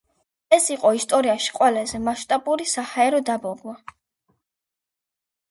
ეს იყო ისტორიაში ყველაზე მასშტაბური საჰაერო დაბომბვა.